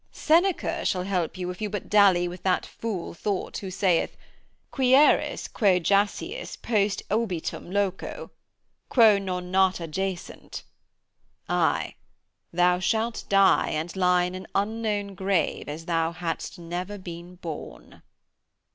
Seneca shall help you if you but dally with that fool thought who sayeth: "Quaeris quo jaceas post obitum loco? Quo non nata jacent." Aye, thou shalt die and lie in an unknown grave as thou hadst never been born.'